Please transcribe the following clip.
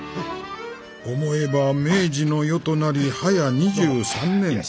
「思えば明治の世となり早２３年。